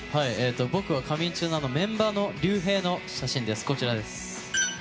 僕は仮眠中のメンバーのＲＹＵＨＥＩの写真です。